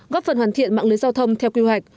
góp phần hoàn thiện mạng lưới giao thông theo quy hoạch